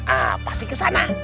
ah pasti kesana